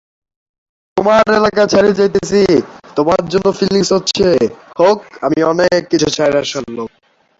এছাড়াও বিভিন্ন এনজিও শিক্ষা কার্যক্রম চালিয়ে যাচ্ছে।